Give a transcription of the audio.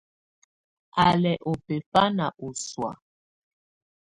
Á lɛ́ ɔ bɛfanɛ ɔ ɔsɔ̀á.